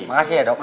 makasih ya dokter